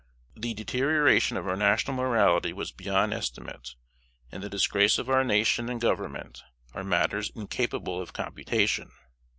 The deterioration of our national morality was beyond estimate, and the disgrace of our nation and government are matters incapable of computation.